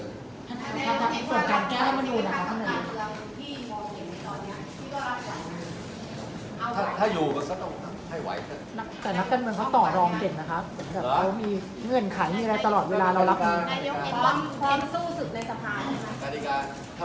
ถ้าอยู่ก็จะต้องให้ไหวเถอะ